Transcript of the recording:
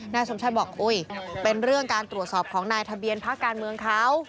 นายสมชายบอกเป็นเรื่องการตรวจสอบของนายทะเบียนพักการเมืองเขา